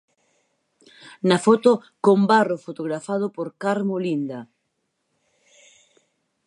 Na foto, Combarro fotografado por Carmo Linda.